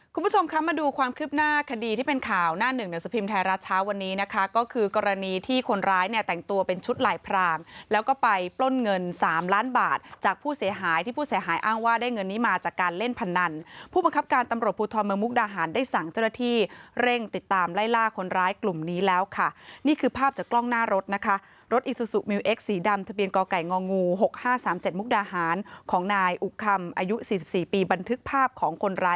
คุณผู้ชมครับมาดูความคืบหน้าคดีที่เป็นข่าวหน้าหนึ่งหนังสภิมธ์ไทยราชาวันนี้นะคะก็คือกรณีที่คนร้ายเนี่ยแต่งตัวเป็นชุดไหล่พรางแล้วก็ไปปล้นเงินสามล้านบาทจากผู้เสียหายที่ผู้เสียหายอ้างว่าได้เงินนี้มาจากการเล่นพนันผู้บังคับการตำรวจภูตรเมืองมุกดาหารได้สั่งเจ้าหน้าที่เร่งติดตามไล่ล่